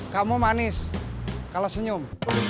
kamu manis kalah senyum